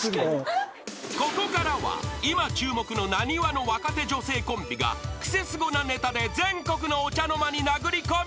［ここからは今注目のナニワの若手女性コンビがクセスゴなネタで全国のお茶の間に殴り込み］